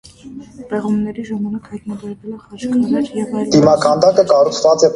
Պեղումներ ժամանակ հայտնաբերվել է՝ խաչքարեր և այլ մասունքներ։